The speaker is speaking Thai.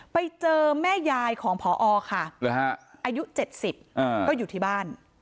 ไปเจอแม่ยายของพอค่ะอายุ๗๐ก็อยู่ที่บ้าน